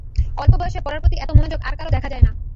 অল্প বয়সে পড়ার প্রতি এত মনোযোগ আর কারো দেখা যায় না।